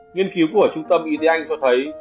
nghiên cứu của trung tâm e t anh cho thấy